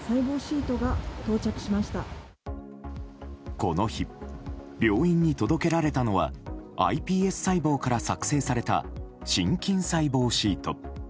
この日、病院に届けられたのはｉＰＳ細胞から作製された心筋細胞シート。